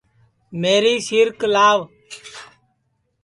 میری سیرک لاوَ